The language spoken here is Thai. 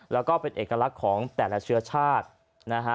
แล้วก็เป็นเอกลักษณ์ของแต่ละเชื้อชาตินะฮะ